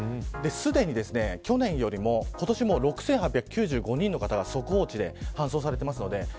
すでに去年よりも今年は６８９５人の方が速報値で搬送されています。